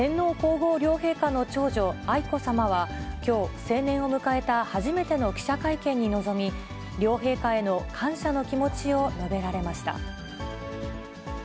天皇皇后両陛下の長女、愛子さまは、きょう、成年を迎えた初めての記者会見に臨み、両陛下への感謝の気持ちを述べられました。